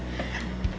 seperti kata kota